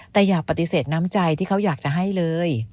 แต่อย่าปฏิเสธน้ำใจที่เขาอยากจะให้เลย